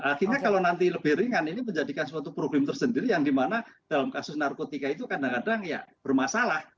artinya kalau nanti lebih ringan ini menjadikan suatu problem tersendiri yang dimana dalam kasus narkotika itu kadang kadang ya bermasalah